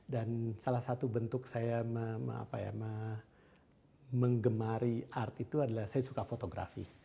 dan salah satu bentuk saya menggemari art itu adalah saya suka fotografi